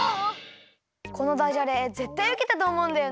このダジャレぜったいウケたとおもうんだよね。